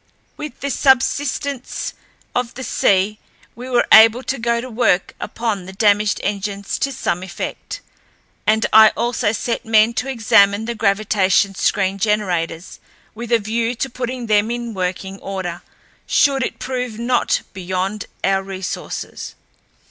With the subsidence of the sea, we were able to go to work upon the damaged engines to some effect, and I also set men to examining the gravitation screen generators with a view to putting them in working order should it prove not beyond our resources.